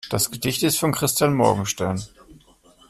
Das Gedicht ist von Christian Morgenstern.